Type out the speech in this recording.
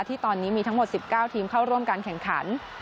ที่ตอนนี้มีทั้งหมด๑๙ทีมเข้าร่วมการแข่งขัน